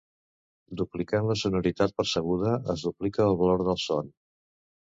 Duplicant la sonoritat percebuda es duplica el valor del son.